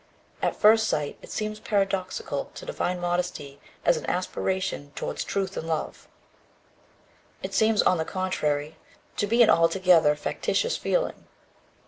"At first sight, it seems paradoxical to define modesty as an aspiration towards truth in love; it seems, on the contrary, to be an altogether factitious feeling.